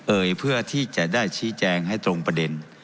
เพื่อที่จะได้ชี้แจงให้ตรงประเด็น